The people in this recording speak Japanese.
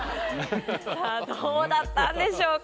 さあどうだったんでしょうか？